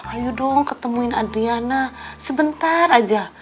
ayo dong ketemuin adriana sebentar aja